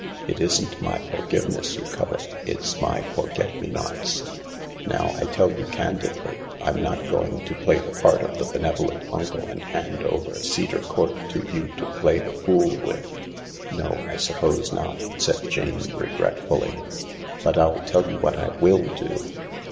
It isn't my forgiveness you covet. It's my forget me nots. Now I tell you candidly, I'm not going to play the part of the benevolent uncle and hand over Cedar Court to you to play the fool with." " No, I suppose not/' said Jane regretfully. "But I'll tell you what I will do."